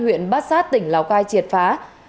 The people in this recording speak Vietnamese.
huyện bát sát tỉnh lào cai triệt phá